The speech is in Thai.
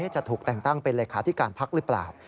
จะถูกแต่งตั้งเป็นเลขาธิการพักหรือเปล่า